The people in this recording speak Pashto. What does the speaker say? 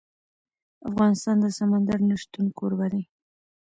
افغانستان د سمندر نه شتون کوربه دی.